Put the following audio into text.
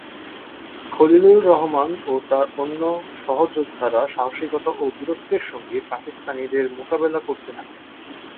খলিলুর রহমান ও তার অন্য সহযোদ্ধারা সাহসিকতা ও বীরত্বের সঙ্গে পাকিস্তানিদের মোকাবিলা করতে থাকেন।